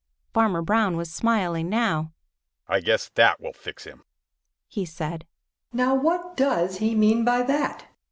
Farmer Brown was smiling now. "I guess that that will fix him!" he said. "Now what does he mean by that?"